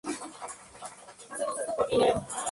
En su cabecera se presentan derrubios ordenados.